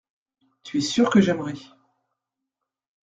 Tu es sûr que j’aimerai.